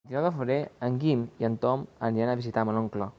El vint-i-nou de febrer en Guim i en Tom aniran a visitar mon oncle.